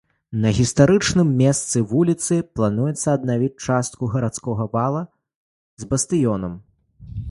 На гістарычным месцы вуліцы плануецца аднавіць частку гарадскога вала з бастыёнам.